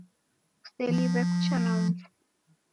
Kuseliw'e kucha na mfu